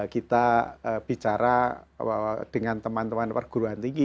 kita bicara dengan teman teman perguruan tinggi